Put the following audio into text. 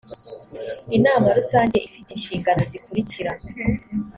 inama rusange ifite inshingano zikurikira